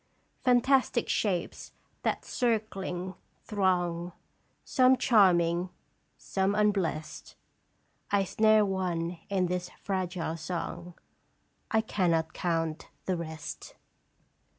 " Fantastic shapes that, circling, throng, Some charming, some unblest ; I snare one in this fragile song, I cannot count the rest."